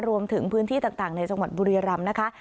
รวมถึงพื้นที่ต่างในจังหวัดบุรียรำนะคะ